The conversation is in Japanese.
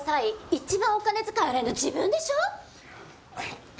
一番お金遣い荒いの自分でしょ！